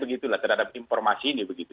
begitu lah terhadap informasi ini begitu